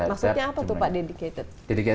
maksudnya apa tuh pak dedicated